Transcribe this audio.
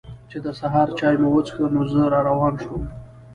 چې د سهار چای مو وڅښه نو زه را روان شوم.